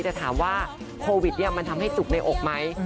จะถามว่าโควิดมันทำให้จุกในอกไหม